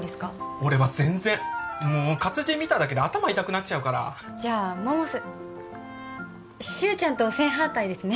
俺は全然もう活字見ただけで頭痛くなっちゃうからじゃ百瀬柊ちゃんと正反対ですね